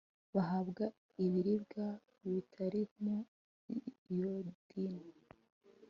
bahabwa ibiribwa bitarimo iyodine